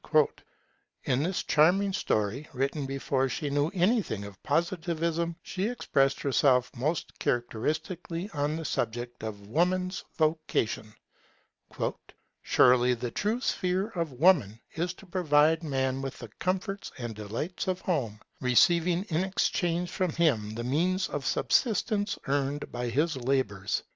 In this charming story, written before she knew anything of Positivism, she expressed herself most characteristically on the subject of Woman's vocation: 'Surely the true sphere of Woman is to provide Man with the comforts and delights of home, receiving in exchange from him the means of subsistence earned by his labours.